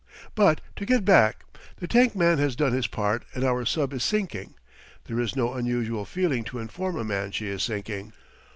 But to get back: the tank man has done his part and our sub is sinking. There is no unusual feeling to inform a man she is sinking.